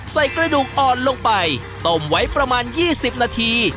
ใส่กระดูกอ่อนลงไปต้มไว้ประมาณ๒๐นาที